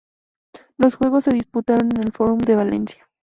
Los juegos se disputaron en el Forum de Valencia.